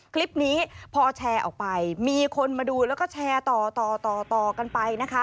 คลิปนี้พอแชร์ออกไปมีคนมาดูแล้วก็แชร์ต่อกันไป